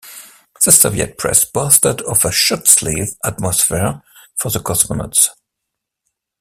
The Soviet press boasted of a "shirt-sleeve" atmosphere for the cosmonauts.